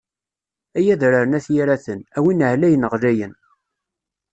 Ay adrar n at Yiraten, a win ɛlayen ɣlayen.